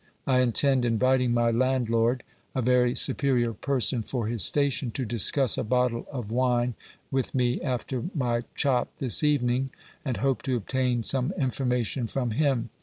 I intend inviting my landlord a very superior person for his station to discuss a bottle of wine with me after my chop this evening, and hope to obtain some information from him.